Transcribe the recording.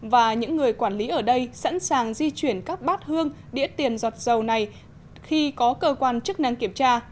và những người quản lý ở đây sẵn sàng di chuyển các bát hương đĩa tiền giọt dầu này khi có cơ quan chức năng kiểm tra